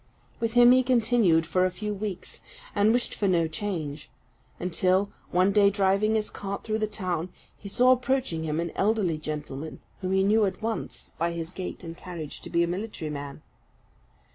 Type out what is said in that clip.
With him he continued for a few weeks, and wished for no change; until, one day driving his cart through the town, he saw approaching him an elderly gentleman, whom he knew at once, by his gait and carriage, to be a military man.